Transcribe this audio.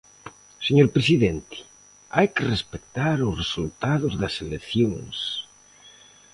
Señor presidente, hai que respectar os resultados das eleccións.